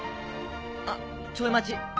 あっちょい待ち